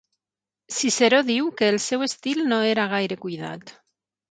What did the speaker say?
Ciceró diu que el seu estil no era gaire cuidat.